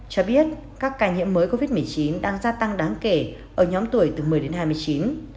cho biết các ca nhiễm mới covid một mươi chín đang gia tăng đáng kể ở nhóm tuổi từ một mươi đến hai mươi chín